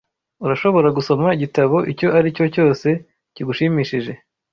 Urashobora gusoma igitabo icyo ari cyo cyose kigushimishije.